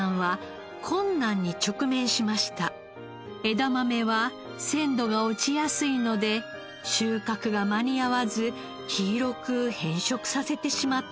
枝豆は鮮度が落ちやすいので収穫が間に合わず黄色く変色させてしまったのです。